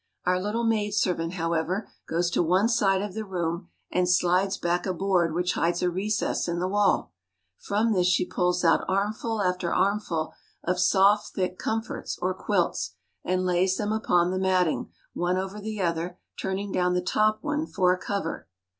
Our little maidservant, however, goes to one side of the room, and slides back a board which hides a recess in the wall. From this she pulls out arm ful after armful of soft thick comforts or quilts, and lays them upon the matting, one over the other, turningdown thetoponefor a cover.